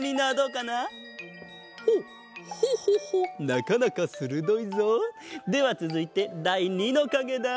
なかなかするどいぞ！ではつづいてだい２のかげだ。